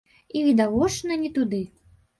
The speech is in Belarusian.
І відавочна не туды.